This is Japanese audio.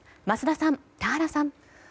桝田さん、田原さん。